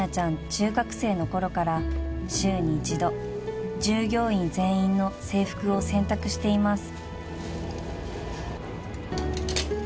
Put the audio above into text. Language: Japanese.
中学生の頃から週に一度従業員全員の制服を洗濯しています］